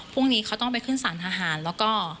พรุ่งนี้เขาต้องไปขึ้นสารทหารแล้วก็